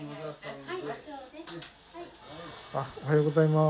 おはようございます。